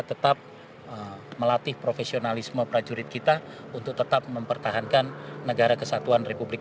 tetap melatih profesionalisme prajurit kita untuk tetap mempertahankan negara kesatuan republik